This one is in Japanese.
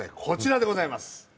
こちらでございます。